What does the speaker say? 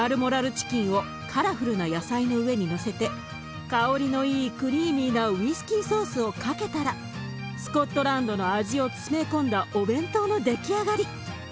チキンをカラフルな野菜の上にのせて香りのいいクリーミーなウイスキーソースをかけたらスコットランドの味を詰め込んだお弁当の出来上がり！